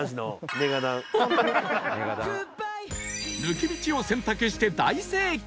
抜け道を選択して大正解